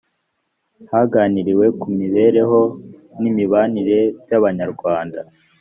haganiriwe ku mibereho n imibanire by abanyarwanda